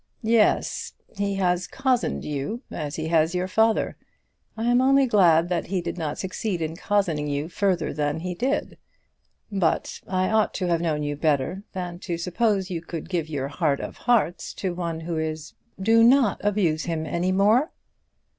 "Yes; he has cozened you as he has your father. I am only glad that he did not succeed in cozening you further than he did. But I ought to have known you better than to suppose you could give your heart of hearts to one who is " "Do not abuse him any more."